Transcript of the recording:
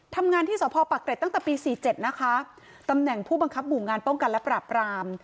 ทำงานที่สพปะเกร็ดตั้งแต่ปีสี่เจ็ดนะคะตำแหน่งผู้บังคับหมู่งานป้องกันและปราบราม